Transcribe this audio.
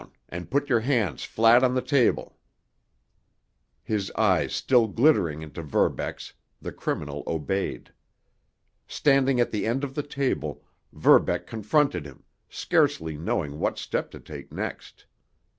And put your hands flat on the table!" His eyes still glittering into Verbeck's, the criminal obeyed. Standing at the end of the table, Verbeck confronted him, scarcely knowing what step to take next.